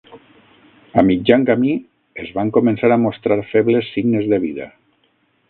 A mitjan camí, es van començar a mostrar febles signes de vida.